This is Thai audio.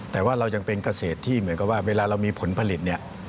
แต่ว่าเรายังเป็นเกษตรที่เหมือนกับว่าเวลาเรามีผลผลิตเนี่ย